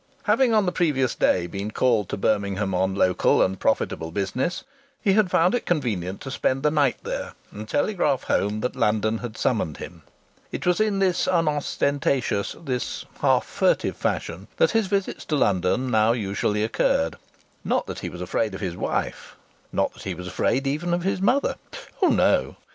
Having on the previous day been called to Birmingham on local and profitable business, he had found it convenient to spend the night there and telegraph home that London had summoned him. It was in this unostentatious, this half furtive fashion, that his visits to London now usually occurred. Not that he was afraid of his wife! Not that he was afraid even of his mother! Oh, no!